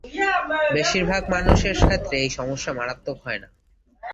বেশিরভাগ মানুষের ক্ষেত্রে এই সমস্যা মারাত্মক হয় না।